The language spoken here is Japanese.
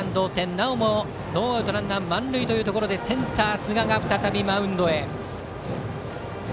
なおもノーアウトランナー満塁でセンター寿賀が再びマウンドへ。